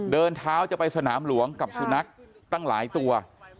เดินเท้าจะไปสนามหลวงกับสุนัขตั้งหลายตัว